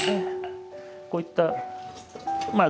こういったまあ